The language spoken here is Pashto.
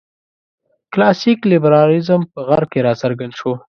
کلاسیک لېبرالېزم په غرب کې راڅرګند شو.